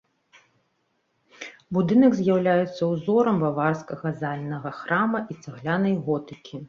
Будынак з'яўляецца ўзорам баварскага зальнага храма і цаглянай готыкі.